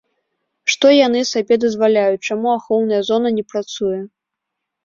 Што яны сабе дазваляюць, чаму ахоўная зона не працуе?